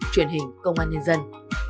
truyền hình công an nhân dân